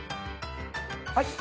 はい。